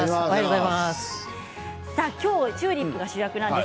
今日はチューリップが主役です。